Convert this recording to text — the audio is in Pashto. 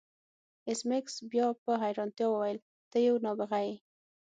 ایس میکس بیا په حیرانتیا وویل ته یو نابغه یې